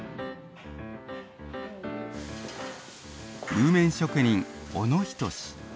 温麺職人小野仁。